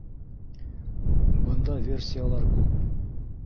бында версиялар күп